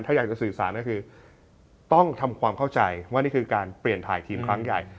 ถ้าอยากจะสื่อสารก็คือต้องทำความเข้าใจว่านี่คือการเปลี่ยนถ่ายทีมครั้งใหญ่